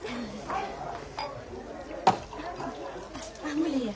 もういいや。